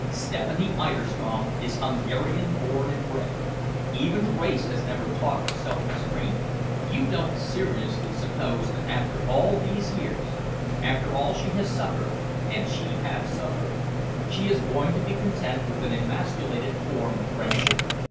Stephanie Eiderstrom is Hungarian born and bred. Even race has never taught her self restraint. You don't seriously suppose that after all these years, after all she has suffered and she has suffered she is going to be content with an emasculated form of friendship?